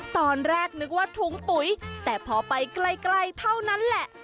ตอนแรกนึกว่าถุงปุ๋ยแต่พอไปไกลเท่านั้นแหละ